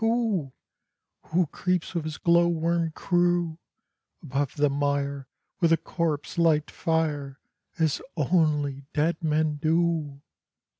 Who creeps with his glow worm crew Above the mire With a corpse light fire, As only dead men do?